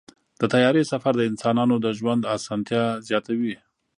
د طیارې سفر د انسانانو د ژوند اسانتیا زیاتوي.